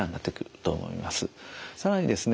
更にですね